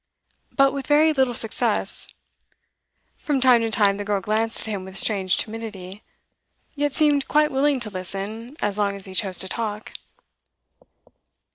But with very little success. From time to time the girl glanced at him with strange timidity, yet seemed quite willing to listen as long as he chose to talk.